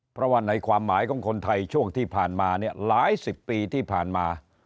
เพราะว่าในความหมายของคนไทยช่วงที่ผ่านมาเนี่ยหลายสิบปีที่ผ่านมา